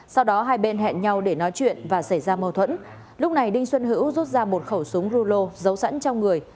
sau đó hai bên hẹn nhau để nói chuyện và xảy ra mâu thuẫn lúc này đinh xuân hữu rút ra một khẩu súng rulo giấu sẵn trong người